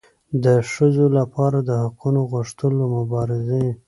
د ښځو لپاره د حقونو د غوښتلو مبارزې